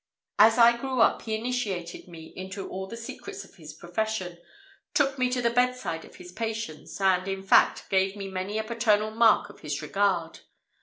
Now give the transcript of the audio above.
As I grew up, he initiated me into all the secrets of his profession, took me to the bedside of his patients; and, in fact gave me many a paternal mark of his regard!